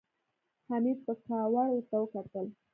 حميد په کاوړ ورته وکتل.